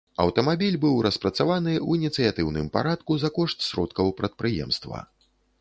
Аўтамабіль быў распрацаваны ў ініцыятыўным парадку за кошт сродкаў прадпрыемства.